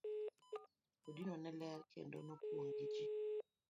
Odno ne ler kendo nopong' gi ji.